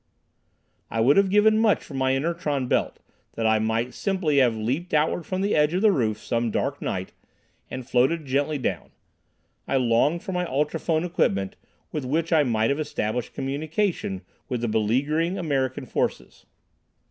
I would have given much for my inertron belt, that I might simply have leaped outward from the edge of the roof some dark night and floated gently down. I longed for my ultrophone equipment, with which I might have established communication with the beleaguering American forces.